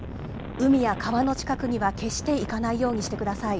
海や川の近くには決して行かないようにしてください。